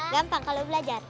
gampang kalau belajar